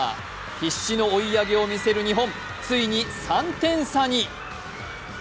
必死の追い上げを見せる日本、ついに３点差に。